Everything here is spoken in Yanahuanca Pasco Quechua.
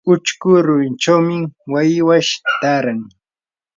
uchku rurinchawmi waywash taaran.